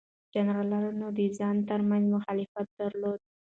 جنرالانو د ځان ترمنځ مخالفت درلود.